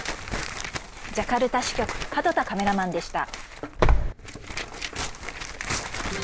ジャカルタ支局門田カメラマンでした。